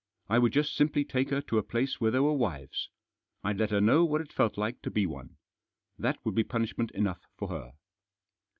I would just simply take her to a place where there were wives. I'd let her know what it felt like to be one. That would be punishment enough for her.